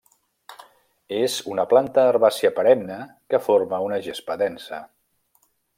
És una planta herbàcia perenne que forma una gespa densa.